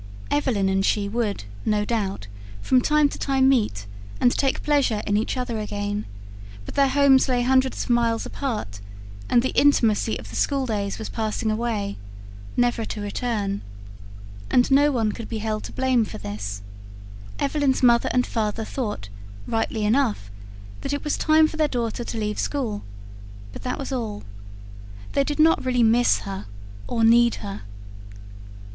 Evelyn and she would, no doubt, from time to time meet and take pleasure in each other again; but their homes lay hundreds of miles apart; and the intimacy of the schooldays was passing away, never to return. And no one could be held to blame for this. Evelyn's mother and father thought, rightly enough, that it was time for their daughter to leave school but that was all. They did not really miss her, or need her.